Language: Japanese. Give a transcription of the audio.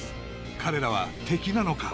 彼らは敵なのか？